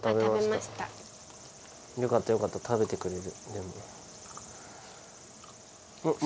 よかったよかった食べてくれる。